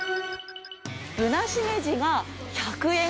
ぶなしめじが１００円。